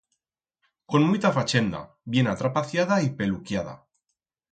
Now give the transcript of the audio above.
Con muita fachenda, bien atrapaciada y peluquiada.